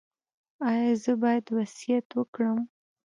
ایا زه باید وصیت وکړم؟